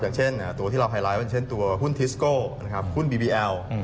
อย่างเช่นตัวที่เราไฮไลท์เป็นเช่นตัวหุ้นทิสโก้หุ้นบีบีแอล